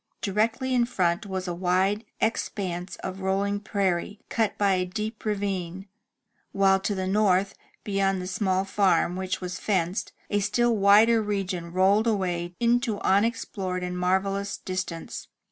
Directly in front was a wide expanse of rolling prairie, cut by a deep ravine, while to the north, beyond the small farm which was fenced, a still wider region rolled away into unexplored and marvellous distance.